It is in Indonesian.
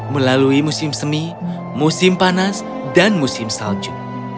melalui musim semi musim panas dan musim salju